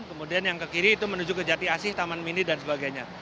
kemudian yang ke kiri itu menuju ke jati asih taman mini dan sebagainya